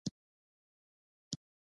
زما پسه د ساعت لیدنه پیل کړه.